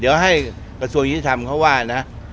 เดี๋ยวให้กระทรวงธิษฐ์ทำเขาว่านะ